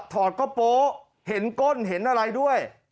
อดก็โป๊ะเห็นก้นเห็นอะไรด้วย